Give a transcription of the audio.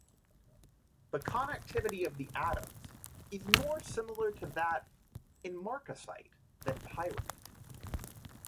The connectivity of the atoms is more similar to that in marcasite than pyrite.